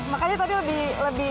makanya tadi lebih